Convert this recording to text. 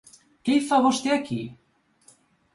Què hi fa vostè aquí?